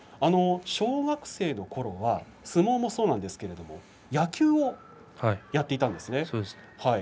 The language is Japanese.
小学生のころは相撲もそうなんですけれども野球をやっていたんですね。